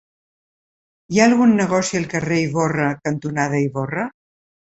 Hi ha algun negoci al carrer Ivorra cantonada Ivorra?